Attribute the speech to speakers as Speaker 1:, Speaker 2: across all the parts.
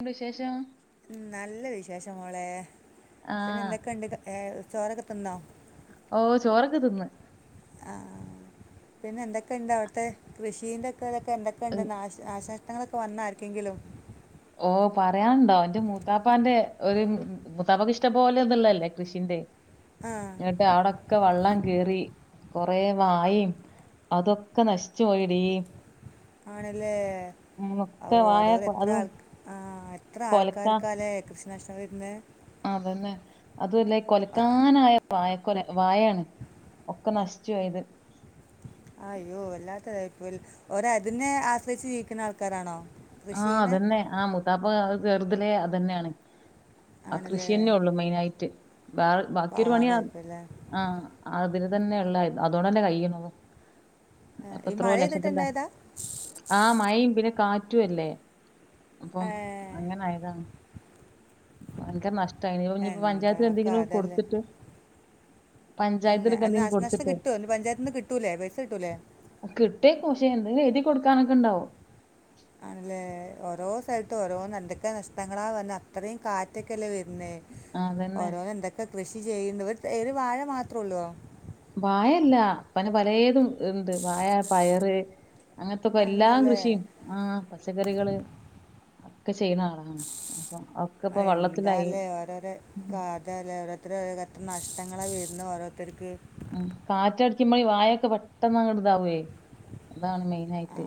Speaker 1: A വിശേഷം?
Speaker 2: നല്ല വിശേഷ മോളെ
Speaker 1: ആ
Speaker 2: പിന്നെ എന്തൊക്കെയുണ്ട് ഏർ ചോറൊക്കെ തിന്നോ?
Speaker 1: ഓ ചോറൊക്കെ തിന്ന്.
Speaker 2: ആ പിന്നെ എന്തൊക്കെയുണ്ട്. അവിടുത്തെ കൃഷീന്റെ ഒക്കെ ഇതൊക്കെ എന്തൊക്കെയണ്ട്.
Speaker 1: ഉം,
Speaker 2: ആശ- [unintelligible] വന്ന ആക്കെങ്കിലും.
Speaker 1: ഓ പറയാനുണ്ടോ അവന്റെ മൂത്താപ്പാന്റെ ഒരു മൂത്താപ്പക്ക് ഇഷ്ടംപോലെ ഒന്നള്ളല്ലേ കൃഷിന്റെ
Speaker 2: ആ
Speaker 1: എന്നിട്ട് അവിടൊക്കെ വെള്ളം കറി കൊറ വായിം അതൊക്കെ നശിച്ചു പോയിടി.
Speaker 2: ആണല്ലേ
Speaker 1: ഉം, ഒക്കെ വായ
Speaker 2: ഓരെ
Speaker 1: കൊ-
Speaker 2: എത്ര
Speaker 1: അതും
Speaker 2: ആ- ആ എത്ര
Speaker 1: കൊലക്കാ
Speaker 2: ആൾക്കാർക്കല്ലേ കൃഷി നഷ്ടം വരുന്നത്.
Speaker 1: അതന്നെ അതല്ല കൊലക്കാനായ വായക്കൊല വായയാണ് ഒക്കെ നശിച്ചുയത്.
Speaker 2: അയ്യോ വല്ലാത്തതായി ഇപ്പോ ഒര അതിനെ ആശ്രയിച്ച് ജീവിക്കുന്ന ആൾക്കാരാണോ?
Speaker 1: ആഹ
Speaker 2: കൃഷീനെ
Speaker 1: അതന്നെ ആ മുത്താപ്പ് ചെറുതലെ അത് തന്നെയാണ്. ആ
Speaker 2: ആണല്ലേ
Speaker 1: കൃഷിയന്നേ ഉള്ളു മെയിന ആയിട്ട്. വേറെ ബാക്കിയരു പണിയ
Speaker 2: പാവായിപ്പോല്ലേ
Speaker 1: ആ അതിന് തന്നെയ ഉള്ള അതോണ്ടല്ലെ കഴ്യണുന്നത്.
Speaker 2: ഈ
Speaker 1: അപ്പൊത്രോ
Speaker 2: മഴ
Speaker 1: ലക്ഷത്തില്ല
Speaker 2: ചെയ്തിട്ടുണ്ടായതാ
Speaker 1: ആഹ മഴ പിന്നെ കാറ്റല്ലേ അപ്പം
Speaker 2: ഏ
Speaker 1: അങ്ങനെയതാണ്. ഭയങ്കര നഷ്ടമായി ഇനിപ്പോ
Speaker 2: എന്താ
Speaker 1: പഞ്ചായത്തി എന്തെങ്കിലും കൊടുത്തിട്ട്.
Speaker 2: അന്ന
Speaker 1: പഞ്ചായത്തിലൊക്കെ
Speaker 2: അ
Speaker 1: എന്തെങ്കിലും
Speaker 2: നാശനഷ്ടം
Speaker 1: കൊടുത്തിട്ടേ
Speaker 2: കിട്ടുംന്ന് പഞ്ചായത്തി നിന്ന് കിട്ടൂലേ പൈസ കിട്ടൂലേ?
Speaker 1: കിട്ടേ കോശേ എന്തെങ്കിലും എഴുതി കൊടുക്കാനൊക്കെ ഉണ്ടാവു.
Speaker 2: ആണല്ലേ ഓരോ സ്ഥലത്തും ഓരോ നണ്ടൊക്കെ നഷ്ടങ്ങളാ വന്ന അത്രയും കാറ്റക്കെല്ലേ വ- പിന്നെ
Speaker 1: ആ അതന്നെ
Speaker 2: ഓരോന്ന് എന്തൊക്കെ കൃഷി ചെയ്യുന്നു ഒരു വാഴ മാത്രേ ഉള്ളു.
Speaker 1: വായല്ല പനെ പലതും ഉണ്ട് വായ പയറ്. അങ്ങനത്തെ ഇക്ക എല്ലാ
Speaker 2: എന്നല്ലേ
Speaker 1: കൃഷിയും ആഹ പച്ചക്കറികള് ഒക്കെ ചെയ്യണളാണ്.
Speaker 2: എന്താല്ലേ ഓരോര കാതല്ലേ ഓരോത്ത നഷ്ടം. ഞങ്ങളെ വരുന്ന ഓരോത്തർക്ക്.
Speaker 1: ഉം കാറ്റടിക്കുമ്പോഴെ വാഴയൊക്കെ പെട്ടെന്ന് അങ്ങട് ഇതാവേ അതാണ് മെയിൻ.
Speaker 2: ആ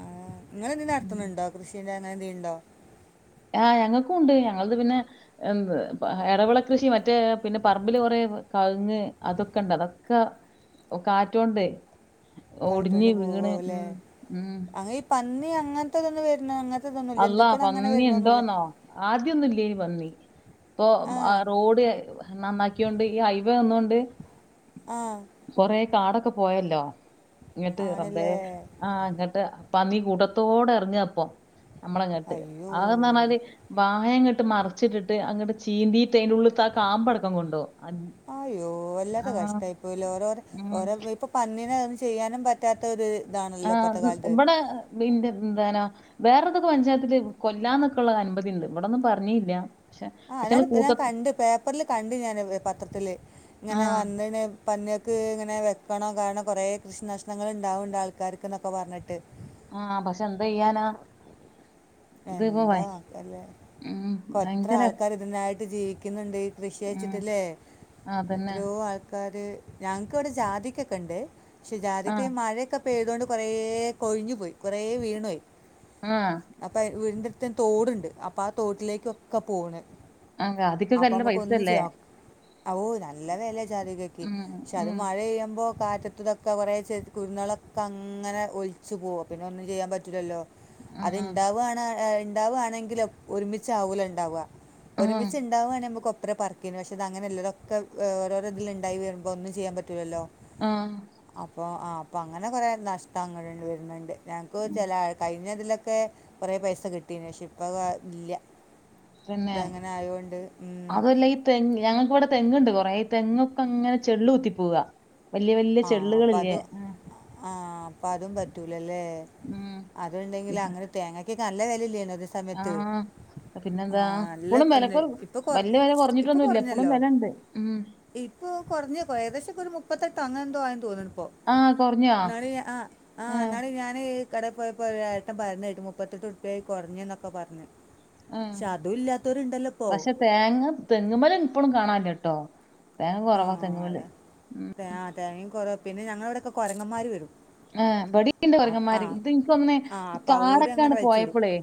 Speaker 2: ആ നിങ്ങൾ എന്ത് നടത്തുന്നുണ്ടോ കൃഷീ അങ്ങനെ എന്തെയിലുണ്ടോ.
Speaker 1: ആഹ് ഞങ്ങൾക്കും ഉണ്ട്. ഞങ്ങളത് പിന്നെ എടവിള കൃഷി. മറ്റേ പിന്നെ പറമ്പില് കൊറെ കൗങ്ങ് അതൊക്കെണ്ട് അതൊക്കെ കാറ്റോണ്ട് ഒടിഞ്ഞ്
Speaker 2: കാറ്റൊണ്ട്
Speaker 1: വീണ്
Speaker 2: പോവാവുല്ലെ
Speaker 1: ഉം ഉം
Speaker 2: അങ്ങനെ ഈ പന്നി അങ്ങനത് അങ്ങനത്തെ
Speaker 1: അല്ലാ പന്നി ഉണ്ടോന്നോ. ആദ്യം ഒന്നു മില്ലായിരുന്നു. പന്നി. ഇപ്പൊ
Speaker 2: ആ
Speaker 1: റോഡ് നന്നാക്കിയൊണ്ട് ഈ ഹൈവേ ഒന്നൊണ്ട്.
Speaker 2: ആ
Speaker 1: കൊറ കാടൊക്കെ പോയല്ലോ. ഇങ്ങിട്ട് റബേ!
Speaker 2: ആണല്ലേ
Speaker 1: ആ അങ്ങിട്ട് പന്നി ന കൂടത്തോടെ ഇറങ്ങപ്പ നമ്മളെങ്ങട്ട്
Speaker 2: അയ്യോ
Speaker 1: അതന്ന് പറഞ്ഞാല് വഴ ഇങ്ങോട്ട് മറിച്ചിട്ട് അങ്ങട്ട് ചീന്തിയിട്ട് അതിന്റെ ഉള്ളിൽ ആ കാമ്പടക്കം കൊണ്ടുപോകു
Speaker 2: അയ്യോ! അല്ലാത്ത കഷ്ടായി പോയല്ലോ ഓരോ
Speaker 1: ഉം
Speaker 2: ഓര ഇപ്പൊ പ ന്തിനാ നൊന്നും ചെയ്യാനും പറ്റാത്തത്.
Speaker 1: ആ ഇവിടെ ബിന്റ എന്താനോ വേറെതൊക്കെ പഞ്ചായത്തില് കൊല്ലാന്നൊക്കെുള്ള അനുമതി ഉണ്ട്. ഇവിടൊന്നും പറഞ്ഞില്ല. പക്ഷെ
Speaker 2: ആ അ ഞാല്
Speaker 1: അയ്റ്റങ്ങള് കൂട്ട
Speaker 2: ഞാൻ കണ്ട് പേപ്പറില് കണ്ടു. ഞാനത് പത്രത്തില് ഇങ്ങനെ
Speaker 1: ആഹ്
Speaker 2: വന്ന് ന്ന് പന്നി ക്ക് ഇങ്ങനെ വെക്കണോ കാരണം കൊറേ കൃഷി നഷ്ട്ടണങ്ങൾ ഉണ്ടാവുണ്ട്. ആൾക്കാർക്ക് എന്നൊക്കെ പറഞ്ഞിട്ട്.
Speaker 1: ആ പക്ഷെ എന്താ ചെയ്യാനാ.
Speaker 2: എന്താ ക്കല്ലേ
Speaker 1: ഉം
Speaker 2: എത്ര
Speaker 1: ഭയങ്കര
Speaker 2: ആൾക്കാർ ഇതിനായിട്ട് ജീവിക്കുന്നുണ്ട് ഈ
Speaker 1: ഉം
Speaker 2: കൃഷിവെച്ചിട്ടില്ലേ?
Speaker 1: അതന്നെ
Speaker 2: എത്രയോ ആൾക്കാർ ഞങ്ങക്ക്വിടെ ജാതിക്കൊക്കെ ഉണ്ട് പക്ഷെ ജാതിക്ക
Speaker 1: ആഹ്
Speaker 2: ഈ മഴയൊക്കെ പൈതോണ്ട് കൊറേ കൊഴിഞ്ഞു പോയി. കൊറെ വീണു പോയി.
Speaker 1: ആ
Speaker 2: അപ്പയ് വീടിൻ്റെ അടുത്തന്നെ തോടുണ്ട്. അപ്പാ തോട്ടിലേക്ക് ഒക്കെ പോകണ്.
Speaker 1: ആഹ് അതിക്കൊക്കെ നല്ല
Speaker 2: അപ്പമ്മക്ക് ഒന്ന്
Speaker 1: പൈസല്ലേ
Speaker 2: ചെയാ ഓ നല്ല വെല ചാതികക്ക്.
Speaker 1: ഉം
Speaker 2: പക്ഷെ അത്
Speaker 1: ഉം
Speaker 2: മഴ പെയ്യുമ്പോ കാറ്റത്തതൊക്കെ കുറെ ചെടി കുരുന്നുകളൊക്കെ അങ്ങനെ ഒലിച്ച് പോകും. പിന്നെ ഒന്നും ചെയ്യാൻ പറ്റില്ലല്ലോ. അതെ
Speaker 1: ആഹ്
Speaker 2: എന്ത ണ്ടാവാണെങ്കില് ഒരുമിച്ചാവൂലണ്ടാവുക.
Speaker 1: ആഹ്
Speaker 2: ഒരുമിച്ച് ണ്ടാവാണെങ്കി മ്മക്കൊപ്പ ഇത്ര പറിക്കിൻ പക്ഷെ ഇതങ്ങനെല്ല, തൊക്കെ ഓരോരോ ഇതില് ഉണ്ടായി വരുമ്പോൾ ഒന്നും ചെയ്യാൻ പറ്റുലല്ലോ.
Speaker 1: ആഹ്
Speaker 2: അപ്പൊ ആ അപ്പൊ അങ്ങനെ കൊറെ നഷ്ടങ്ങൾ വരുന്നുണ്ട്. ഞങ്ങൾക്ക് ചില, കഴിഞ്ഞതിലൊക്കെ കുറെ പൈസ കിട്ടിന്നു. പക്ഷേ ഇപ്പ വാ ഇല്ല.
Speaker 1: പിന്നെ,
Speaker 2: ഇതങ്ങനെ ആയതുകൊണ്ട്
Speaker 1: അതല്ല ഈ തെങ്ങ്. ഞ ങ്ങക്ക് ഇവിടെ തെങ്ങുണ്ട് കുറെ, ഈ തെങ്ങൊക്കെ അങ്ങനെ ചെളള്കുത്തി പോവാ വല്യ വല്യ
Speaker 2: ആ
Speaker 1: ചെള്ളുകളില്ലേ. ആ
Speaker 2: അപ്പ അതും പറ്റൂലല്ലേ.
Speaker 1: ഉം
Speaker 2: അതുണ്ടെങ്കിൽ അങ്ങനെ തേങ്ങക്ക് ഒക്കെ നല്ല വില ഇല്ലെന്നോ ചില സമയത്ത്.
Speaker 1: ആഹ് പിന്നെന്താ
Speaker 2: ആ നല്ല
Speaker 1: ഇപ്പളും
Speaker 2: ഇന്ന്
Speaker 1: വിലക്കൊരു
Speaker 2: ഇപ്പം കുറ
Speaker 1: വല്യ വില കുറഞ്ഞിട്ടൊന്നുംല്ല ഇപ്പളും വെലണ്ട്. ഉ
Speaker 2: ഇപ്പൊ കുറഞ്ഞേക്കുവ ഏകദേശം ഒരു മുപ്പത്തെട്ടൊ അങ്ങനെന്തോ ആയിണ് തോന്നണ് ഇപ്പോ.
Speaker 1: ആഹ് കൊറഞ്ഞോ
Speaker 2: ന്നാള് ആ
Speaker 1: ആഹ്
Speaker 2: ന്നാള് ഞാനെ കടെ പോയപ്പോ ഒരേട്ടൻ പറഞ്ഞേട്ട്, മുപ്പത്തെട്ട് റുപ്പിയായി കൊറഞ്ഞ്ന്നൊക്കെ പറഞ്ഞ്.
Speaker 1: ആ പക്ഷെ തേങ്ങ തെങ്ങ്മ്മല് ഇപ്പളും കാണാല്യ ട്ടോ. തേങ്ങ
Speaker 2: ആ
Speaker 1: കൊറവാ തെങ്ങ്മ്മല്.
Speaker 2: അതാ
Speaker 1: ഉം
Speaker 2: തേ-
Speaker 1: ഉം
Speaker 2: ആ തേങ്ങയും കുറവ് പിന്നെ ഞങ്ങളിവിടൊക്കെ കൊരങ്ങന്മാര് വരും.
Speaker 1: ആ വടിംണ്ട്
Speaker 2: അപ് ആ
Speaker 1: കൊരങ്ങന്മാര്, ഇത് ഇൻക്ക് തോന്ന്ണ്
Speaker 2: ആ
Speaker 1: ഈ
Speaker 2: അപ്പം അവരും അങ്ങനെ
Speaker 1: കാടൊക്കെണ്ട്
Speaker 2: വെച്ചിടും
Speaker 1: പോയപ്പളേ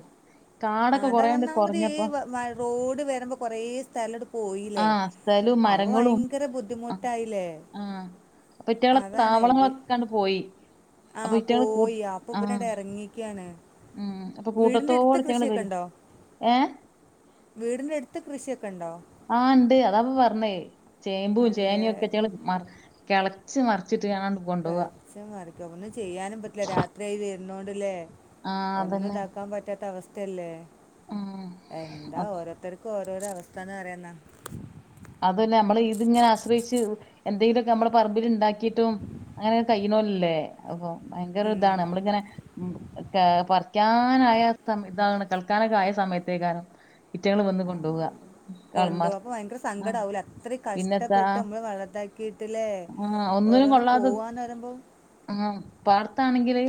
Speaker 2: ആ
Speaker 1: കാടൊക്കെ
Speaker 2: അതാ
Speaker 1: കൊറേണ്ട്
Speaker 2: ഒന്നാമത് ഈ
Speaker 1: കൊറഞ്ഞപ്പോ
Speaker 2: വ വ റോഡ് വരുമ്പോ കൊറെ സ്ഥലം എടു പോയിലേ..
Speaker 1: ആഹ് സ്ഥലും
Speaker 2: അപ്പ
Speaker 1: മരങ്ങളും
Speaker 2: ഭയങ്ക ബുദ്ധിമുട്ടായിലേ
Speaker 1: ആഹ് അപ്പൊ ഇറ്റകളെ
Speaker 2: അതാണ് ഇവ
Speaker 1: താവളങ്ങളൊക്കെ കണ്ട് പോയി.
Speaker 2: ആ
Speaker 1: അപ്പൊ ഇറ്റങ്ങള് കൂ
Speaker 2: പോയി, അപ്പൊ
Speaker 1: ആഹ്
Speaker 2: ഇവരണ്ട് എറങ്ങിയിരിക്കാണ്.
Speaker 1: ഉം.. അപ്പൊ കൂട്ടത്തോട്റ്റങ്ങള് വര്വ,
Speaker 2: ഉണ്ടോ
Speaker 1: ഏ
Speaker 2: വീടിൻ്റെ അടുത്ത് കൃഷിയൊക്കെ ഉണ്ടോ
Speaker 1: ആ ണ്ടേയ് അതാപ്പൊ പറഞ്ഞേ ചേമ്പും
Speaker 2: നല്ല
Speaker 1: ചേനയും ഒക്കെ ഇറ്റള് മർ കെളച്ച് മർച്ച്
Speaker 2: കേൾച്ച് മറിക്കും. ഒന്നും ചെയ്യാനും പറ്റില്ല രാത്രിയയിത് വരുന്നോണ്ട്ല്ലേ
Speaker 1: ആഹ്
Speaker 2: ഒന്നും
Speaker 1: അതന്നെ
Speaker 2: ഇതാക്കാൻ പറ്റാത്ത അവസ്ഥയല്ലേ
Speaker 1: ഉം
Speaker 2: എന്താ
Speaker 1: അത്
Speaker 2: ഓരോരുത്തർക്കും ഓ രോ അവസ്ഥന്നന്ന് പറയന്നാ
Speaker 1: അതുഅല്ല നമ്മള് ഇത് ഇങ്ങനെ ആശ്രയിച്ച് എന്തെങ്കിലുമൊക്കെ നമ്മളെ പറമ്പിൽ ഉണ്ടാക്കി ക്കിട്ടും അങ്ങനെ കയ്യ്ണോല്ലേ അപ്പൊ ഭയങ്കര
Speaker 2: ഉം.
Speaker 1: ഇതാണ് നമ്മളിങ്ങനെ പറിക്യാ കെൾകാനായ ഇതാണ് കൽക്കാനൊക്കെ ആയ സമയത്തേ കാരം ഇറ്റങ്ങൾ വന്ന്
Speaker 2: ആ.
Speaker 1: കൊണ്ടുപോവുക കളന്മാർ [unintelligible]
Speaker 2: ഇടങ്ങേറാവുലെ അത്രയും കഷ്ടപ്പെട്ട് നമ്മള് വളതാക്കിട്ട് ലേ
Speaker 1: ആ ഒന്നിനും
Speaker 2: ഓരോന്ന്
Speaker 1: കൊള്ളാതെ
Speaker 2: പോവാന്ന് വരുമ്പോം
Speaker 1: ആ പാടത്താണെങ്കില്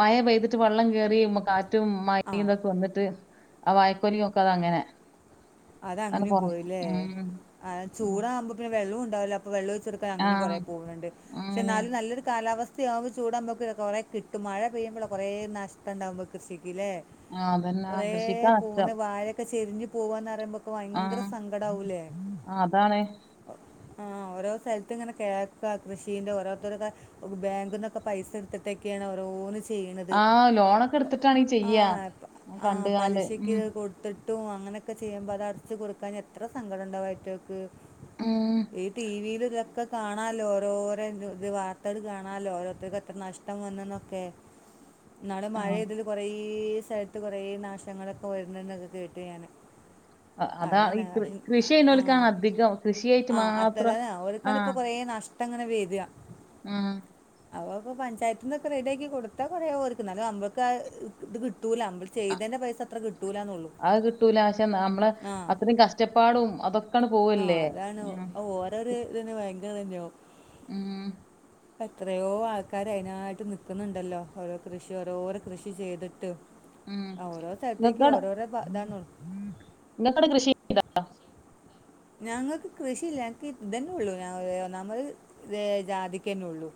Speaker 1: മഴ പെയ്തിട്ട് വെള്ളം കേറീ കാറ്റും
Speaker 2: ആ
Speaker 1: മഴയും ഇതൊക്കെ വന്നിട്ട് ആ വായക്കൊലീം ഒക്കതങ്ങനെ
Speaker 2: അത അങ്ങനെയും പോയില്ലേ..
Speaker 1: അതെ
Speaker 2: ചൂടാവുമ്പോ പിന്നെ വെള്ളം ഉണ്ടാവുല വെള്ള ഒഴിച്ചൊടുക്കാതെ
Speaker 1: ആ
Speaker 2: അങ്ങനെയും കുറെ പോകുന്നുണ്ട്. ക്ഷേ
Speaker 1: അങ്ങനെ
Speaker 2: ന്നാലും നല്ലൊരു കാലാവസ്ഥ കൃഷ്യാവുമ്പോ ചൂടാമ്പോക്ക് കുറെ കിട്ടും. മഴ പെയ്യുമ്പോള കുറേ നഷ്ടണ്ടാവ കൃഷിക്ക്
Speaker 1: ആ അതന്നെ ആ,
Speaker 2: കൊറേ
Speaker 1: കൃഷിക്കാ നഷ്ടം
Speaker 2: പോന്ന്. വാഴൊക്കെ ചെരിഞ്ഞു പോവാന്ന അപ്പൊ
Speaker 1: ആ
Speaker 2: വയങ്കര സങ്കട ആവൂലേ
Speaker 1: ആ, അതാണ്
Speaker 2: ആ ഓരോ സ്ഥൽത്ത് ഇങ്ങനെ കേൾക്ക. കൃഷീന്റെ ഓരോരുത്തര് ബാങ്കിൽ നിന്നൊക്കെ പൈസ എടുത്തിട്ടൊക്കെയ ഒരു ഓരോന്ന് [unintelligible]
Speaker 1: ആഹ ലോണൊക്കെ എടുത്തിട്ടാണ്
Speaker 2: ആ
Speaker 1: ചെയ്യാ കണ്ട് ആണ്ട്
Speaker 2: ട്ടും അങ്ങനൊക്കെ ചെയ്യുമ്പോൾ അത് അടച്ച് കൊടുക്കാൻ എത്ര സങ്കടം ഉണ്ടാവും അയ്റ്റേക്ക്
Speaker 1: ഉം
Speaker 2: ഈ ടിവിയിൽ ഇതൊക്ക കാണാലോ ഓരോര ഇ വാർത്തകൾ കാണാലോ ഓരോരുത്തർക്ക് എത്ര നഷ്ടം വന്ന്ന്നൊക്കെ നാളെ
Speaker 1: ആ
Speaker 2: മഴ പെയ്തയ്ല് കുറേ സ്ഥലത്ത് കൊറേ നാശങ്ങളൊക്കെ വരുന്നു എന്നൊക്കെ കേട്ടു ഞാന്
Speaker 1: അ- അതാ ഈ
Speaker 2: അതാണ്
Speaker 1: കൃ കൃഷി ചെയ്യുന്നോൽക്കാണ്
Speaker 2: ആഹ
Speaker 1: അധികം കൃഷിയായിട്ട്
Speaker 2: ആഹ
Speaker 1: മാത്രം
Speaker 2: അത്രതാണ് ഓൽക്കാണ് ഇപ്പൊ കൊറേ നഷ്ടം ട്ടം ഇങ്ങനെ വെരാ
Speaker 1: ആഹ
Speaker 2: അവപ്പോ പഞ്ചായത്തി നിന്നൊക്കെ റെഡിയാക്കി കൊടുത്താ കൊറേ ഓർക്ക് ന്നാലും നമ്മക്ക് ഇത് കിട്ടൂല നമ്മള് ചെയ്ത പൈസ അത്ര കി
Speaker 1: അത് കിട്ടൂല പക്ഷെ നമ്മള്
Speaker 2: ആ
Speaker 1: അത്രയും കഷ്ടപ്പാടും അതൊക്കട്
Speaker 2: ആ
Speaker 1: പോവല്ലേ
Speaker 2: [unintelligible] തന്നെയോ
Speaker 1: ആഹ
Speaker 2: എത്രയോ ആൾക്കാര് അതിനായിട്ട് നക്കുന്നുണ്ടല്ലോ ഓരോ കൃഷി ഓരോരോ കൃഷി ചെയ്തിട്ട്
Speaker 1: ഉം
Speaker 2: ഓരോ സ്ഥലത്തേക്കും ഓരോരോതാന്നോ
Speaker 1: നിങ്ങക്കാടെ കൃഷി ണ്ടോ?
Speaker 2: ഞങ്ങൾക്ക് കൃഷി ഇല്ല ഞങ്ങക്ക് ഇതന്നെ ഉള്ളു നമ്മള് ജാതിക്ക്ന്നെ ഉള്ളു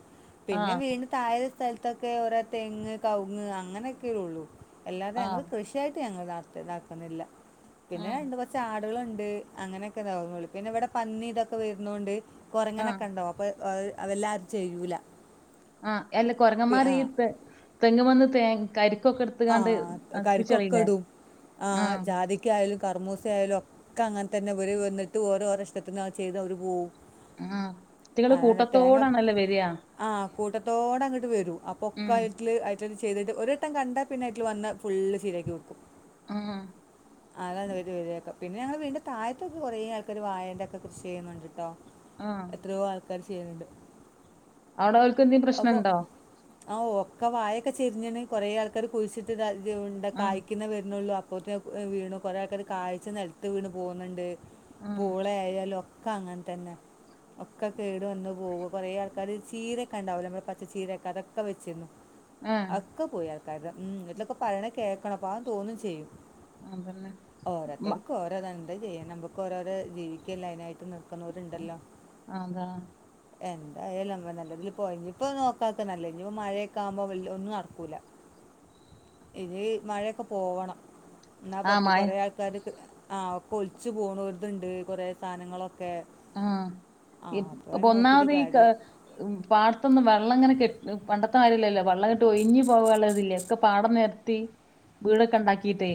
Speaker 2: പിന്നെ
Speaker 1: ആഹ്
Speaker 2: വീണ് താഴെ സ്ഥലത്തൊക്കെ ഓരോ തെങ്ങ് കൗങ്ങ് അങ്ങനെയൊക്കെള്ളു അല്ലാത ഞങ്ങൾ
Speaker 1: ആഹ്
Speaker 2: കൃഷിയായിട്ട് ഞങ്ങള് ഇ ഇതാക്കുന്നില്ല പിന്നെ
Speaker 1: ഉം
Speaker 2: രണ്ട് കുർച്ചാ ഉണ്ട് അങ്ങനെയൊക്കെ പിന്നെ ഇവിടെ പന്നി ഇതൊക്കെ വരുന്നൊണ്ട്
Speaker 1: ആഹ്
Speaker 2: കൊരങ്ങനൊക്കെ ഉണ്ടാവും അപ്പൊ അതെല്ലാരും ചെയ്യൂല
Speaker 1: ആഹ എല്ല
Speaker 2: പി- ആ
Speaker 1: കൊരങ്ങമാരി തെങ്ങ് മന്ന് തേ ക
Speaker 2: ആഹ കരിക്കൊക്കെ ഇടും ആ
Speaker 1: ആഹ്
Speaker 2: ജാതിക്കയാലും കർമൂസയാലും ഒക്കെ അങ്ങനെ തന്നെ ഇവർ വന്നിട്ട് ഓരോ ഓര ഇഷ്ടത്തിന് ചെയ്ത് അവർ പോവും [inaudible]
Speaker 1: വ്യക്തികള് കൂട്ടത്തോടാണല്ലേ വരിക
Speaker 2: ആഹ് കൂട്ടത്തോടെ അങ്ങട്‌ വരും അപ്പൊ ഒക്കെ
Speaker 1: ഉം
Speaker 2: ചെയ്തിട്ട് ഒരിട്ടം കണ്ടാ പിന്നെ, അയ്റ്റള് വന്ന് ഫുള്ള് ശരിയാക്കി കൊടുക്കും
Speaker 1: ആഹ്
Speaker 2: അതെ [unintelligible] പിന്നെ ഞങ്ങളെ വീട്ടിന്റെ താഴത്തൊക്കെ കുറേ ആൾക്കാര് വായേന്റൊക്കെ കൃഷി ചെയ്യുന്നുണ്ട് ട്ടോ
Speaker 1: ആഹ്
Speaker 2: ആൾകാര് ചെയ്യുന്നുണ്ട്
Speaker 1: അവിടെ ഓൽക്ക് എന്തേലും
Speaker 2: അപ്പോൾ
Speaker 1: പ്രശ്നണ്ടോ
Speaker 2: ആ ഒക്കെ വായൊക്കെ ചെരിഞ്ഞിണ് കൊറേ ആൾക്കാർ കുഴിച്ചിട്ട് ഉ
Speaker 1: ആഹ്
Speaker 2: കായ്ക്കുന്നേ വരുന്നുള്ളൂ കുത്തി വീണു കുറേക്കത് കായ്ച്ചത് നിലത്ത് വീണ്പോകുന്നുണ്ട്.
Speaker 1: ആഹ്
Speaker 2: പൂള ആയാലുംഒ ക്ക അങ്ങൻ തന്നെ ഒക്കെ കേട് വന്നു പോവും കുറെ ആൾക്കാർ ചീരൊക്കെ ണ്ടാവില്ലോ മ്മടെ പച്ചച്ചീരൊക്കെ അതൊക്കെ വെച്ചിരുന്നു
Speaker 1: ഏഹ്
Speaker 2: അ ഒക്കെ പോയി ആൾക്കാര്തെ ഉം ഇതൊക്കെ പറയണ കേക്കണം പാവം തോന്നും ചെയ്യും
Speaker 1: അതന്നെ മ
Speaker 2: ഓരോത്തർക്ക് ഓരോ തന്ന എന്ത് ചെയ്യാൻ അമ്മക്ക് ഓരോര ജീവിക്കല്ല അതിനായിട്ട് നിർക്കുന്നവരുണ്ടല്ലോ
Speaker 1: അതാ
Speaker 2: എന്തായാല നല്ലതില് പോയി ഇനി ഇപ്പോ നോക്കാത്ത നല്ല ഇനിപ്പോ മഴയക്കെ ആകുമ്പോ വ ഒന്നും നടക്കൂല ഈ മഴയൊക്കെ പോവണം ന്നാ
Speaker 1: ആഹ്
Speaker 2: പറ്റും
Speaker 1: മയ
Speaker 2: കൊറേ ആൾക്കാര്ക്ക് ആ ഒക്കെ ഒലിച്ച് പോണ ഒര്തുണ്ട് കുറെ സാധനങ്ങളൊക്കെ
Speaker 1: ആഹ്
Speaker 2: ആ അപ്പൊ
Speaker 1: ഇപ്പൊ
Speaker 2: അതിന് നോക്കിയിട്ട്
Speaker 1: പ്പൊന്നാമത് ഈ
Speaker 2: കാര്യമില്ല
Speaker 1: പാട് ത്തൊന്നും വെള്ളം ഇങ്ങനെ കെട്ട പണ്ടത്തെ ല്ലല്ലോ വള്ളങ്ങട്ട് ഒയ്ഞ് പോവള്ളതില്ലേ ഒക്കെ പാടം നെര്ത്തി വീടൊക്കെ ണ്ടാക്കിട്ടേ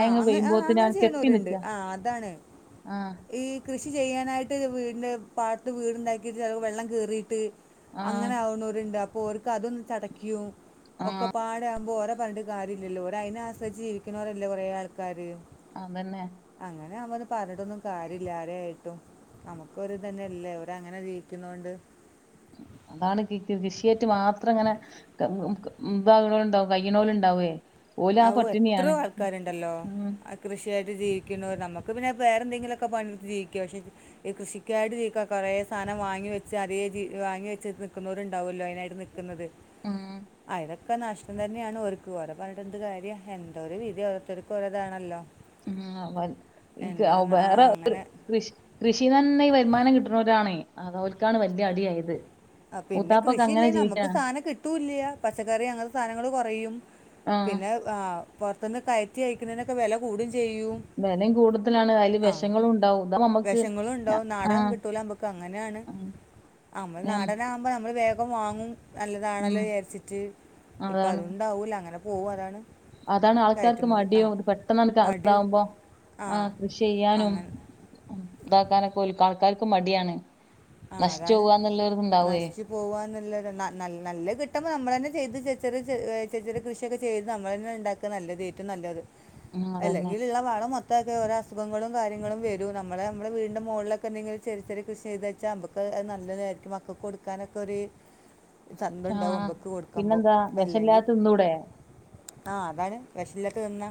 Speaker 2: ആ അ ആ അങ്ങനെ ചെയ്യണ്ടോല്‌ണ്ട്
Speaker 1: നിക്ക
Speaker 2: ആ അതാണ്
Speaker 1: ആ
Speaker 2: ഈ കൃഷി കൃഷി ചെയ്യാനായിട്ട് വീടിൻ്റെ പാട്ത്ത് വീടുണ്ടാക്കിയിട്ട് ചില വെള്ളം കേറിയിട്ട്
Speaker 1: ആ
Speaker 2: അങ്ങനെ ആവ്ണോരുണ്ട് അപ്പൊ അവര്ക്ക് അതൊന്ന് തടക്കും
Speaker 1: ആ
Speaker 2: ഒക്കെ പാടാകുമ്പോ ഓര പറഞ്ഞിട്ട് കാര്യല്ലല്ലോര് അതിനെ ആശ്രയിച്ച് ജീവിക്കണവരല്ലേ കൊറേ ആൾക്കാര്
Speaker 1: അതന്നെ
Speaker 2: പറഞ്ഞിട്ടൊന്നും കാര്യമില്ല ആരെയായിട്ടും നമുക്ക് ഒരു തന്നെയല്ലേ അവരങ്ങനെ ജീവിക്കുന്നൊണ്ട് [inaudible]
Speaker 1: അതാണ് കൃഷിയായിട്ട് മാത്രംങ്ങനെ ഉ താ ണ്ടാവും കയ്യ്ണോല് ണ്ടാവേ
Speaker 2: അഹ് എത്രയോ ആൾക്കാര്ണ്ടല്ലോ
Speaker 1: ഉം
Speaker 2: കൃഷിയായിട്ട് ജീവിക്ക് നമുക്ക് പിന്നെ വേറെന്തെങ്കിലൊക്കെ പണിട്ത്ത് ജീവിക്ക പക്ഷെ ഈ കൃഷിക്കായിട്ട് ജീക്ക കുറേ സാനം വാങ്ങിക്ക വാങ്ങി വെച്ച് അറിയേ ജി വാ വെച്ച് നിൽന്നവരുണ്ടാവുല്ലോ അതിനായിട്ട് നിൽക്കുന്നത്
Speaker 1: ഉം
Speaker 2: ആയിതൊക്കെ നഷ്ടം തന്നെയാണ് അവർക്ക് ഓരെ പറഞ്ഞത് എന്ത് കാര്യം എന്തോ ഒരു വിധി ഓരോര്ത്തര്ക്ക് ഓരോതാണല്ലോ
Speaker 1: [unintelligible] തീരുമാനം
Speaker 2: എന്താ ആ അങ്ങനെ
Speaker 1: കിട്ടുന്നവരാണേ അത് അവർക്കാണ് വലിയ അടിയായത്
Speaker 2: ആഹ് പിന്നെ
Speaker 1: മൂത്താപ്പൊക്കെ
Speaker 2: കൃഷിയില്ലേ
Speaker 1: അങ്ങനെ
Speaker 2: നമുക്ക്
Speaker 1: ജീവിക്കാണ്
Speaker 2: സാനംകിട്ടൂല്ല പച്ചക്കറി അങ്ങനെ സാധനങ്ങള് കൊറയും
Speaker 1: ആ
Speaker 2: പിന്നെ ആഹ് പുറത്ത്ന്ന് കയറ്റിഅക്കുന്നതിനൊക്കെ വെല കൂടും ചെയ്യും
Speaker 1: വെലയും കൂടുതലാണ് അതില് വെഷങ്ങളും ഉണ്ടാവും ഇതാവുമ്പം നമ്മക്ക്
Speaker 2: വിഷങ്ങളുണ്ടോ
Speaker 1: ഞ
Speaker 2: നാടകം
Speaker 1: ആഹ്
Speaker 2: കിട്ടൂല നമ്മക്ക് അങ്ങനെയാണ് നമ്മള്
Speaker 1: ഞം
Speaker 2: നാടന് ആകുമ്പോ നമ്മള് ഒക്കെ വാങ്ങും
Speaker 1: ഉം
Speaker 2: നല്ലതാണല്ലോ ചാരിച്ചിട്ട് ഇപ്പം
Speaker 1: അതാണ്
Speaker 2: അതുകൊണ്ടാവില്ല അങ്ങനെ പോവുംംഅതാണ്
Speaker 1: അതാണ്, ആൾക്കാർക്ക്, മടിയും, ഇത്, പെട്ടെന്ന,
Speaker 2: മടിയും
Speaker 1: ഇതാവുമ്പോ
Speaker 2: ആ
Speaker 1: ആഹ്കൃഷി, ചെയ്യാനും,
Speaker 2: അങ്ങനെ
Speaker 1: ഇതാക്കാനൊക്കെ, ആൾക്കാർക്ക്, മടിയാണ്
Speaker 2: ആഹ്
Speaker 1: നശിച്ചു
Speaker 2: അതാണ്,
Speaker 1: പോവാന്നുള്ളൊരിത്ണ്ടാവേ
Speaker 2: നശിച്ചു, പോവാന്നുള്ള, നല്ല, കിട്ടുമ്പോ, നമ്മളന്നെ ചെയ്ത്, ചെ, ചെറിയ, കൃഷിയൊക്കെ, ചെയ്ത്, നമ്മൾ, ന്നെ, ണ്ടാക്ക, നല്ലത്, ഏറ്റവും, നല്ലത്
Speaker 1: ഉം അതന്നെ
Speaker 2: അല്ലെങ്കി, ഉള്ള, പാട, മൊത്തം ത്ത, ക്ക ഓ, ര അസുഖങ്ങളും, കാര്യും, വരും, നമ്മ, നമ്മുടെ, വടിന്റെ, മുകളിലൊക്കെ, എന്തേല, ചെറ, ചെറിയ, കൃഷി, ചെയ്ത ചമ്പക്ക, നല്ലതായിരിക്കും, മക്കക്ക്, കൊടുക്കാനൊക്കെ, ഒരു ചന്തം ഉണ്ടാവും
Speaker 1: ആഹ്
Speaker 2: നമുക്ക് കൊടുക്കുമ്പോൾ
Speaker 1: പിന്നെന്താ വിശില്ലാന്നൂടെ
Speaker 2: ആഹ് അതാണ് വിഷില്ലേട്ട് നിന്നാ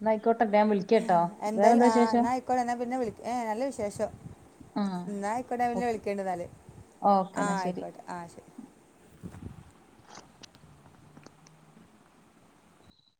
Speaker 1: ന്ന്ആ ആയിക്കോട്ടെ ഞാൻ വിളിക്കട്ടോ വേറെന്താ വിശേഷം
Speaker 2: ഏഹ് നല്ല വിഷ ശേഷം
Speaker 1: ആഹ്
Speaker 2: എന്ന ആയിക്കോട്ടെ എന്ന
Speaker 1: ഓക്കെ
Speaker 2: വിളിക്കേണ്ട് ന്നാല്
Speaker 1: ഓക്കെ എന്നാ ശരി
Speaker 2: ആയിക്കോട്ടെ ആ ശരി [inaudible]